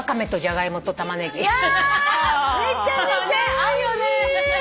合うよね。